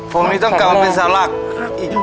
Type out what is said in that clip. ผมนี่ต้องกลับมาเป็นสาวหลักอีก